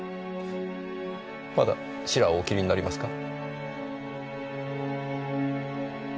まだシラをお切りになりますか？